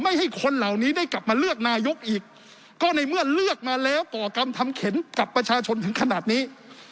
ให้คนเหล่านี้ได้กลับมาเลือกนายกอีกก็ในเมื่อเลือกมาแล้วก่อกรรมทำเข็นกับประชาชนถึงขนาดนี้